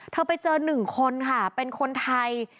เธอไปเจอ๑คนค่ะเป็นคนไทย